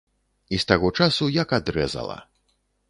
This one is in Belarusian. І з таго часу як адрэзала.